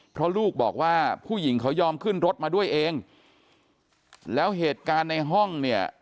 เพราะลูกบอกว่าผู้หญิงเขายอมขึ้นรถมาด้วยเองแล้วเหตุการณ์ในห้องเนี่ย